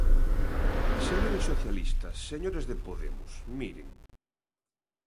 Señores socialistas, señores de Podemos, miren.